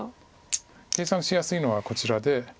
計算しやすいのはこちらで。